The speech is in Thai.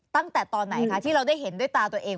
ตั้งแต่ตอนไหนคะที่เราได้เห็นด้วยตาตัวเอง